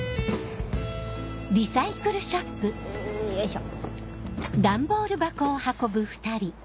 んよいしょ。